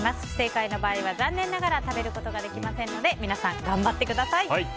不正解の場合は残念ながら食べることができませんので皆さん頑張ってください。